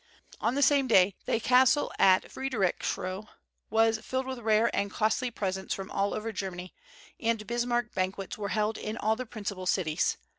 On the same day the castle at Friederichsruh was filled with rare and costly presents from all over Germany, and "Bismarck banquets" were held in all the principal cities.